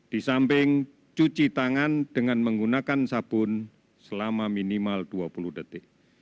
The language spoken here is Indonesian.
di samping cuci tangan dengan menggunakan sabun selama minimal dua puluh detik